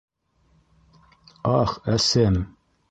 Ах, әсем...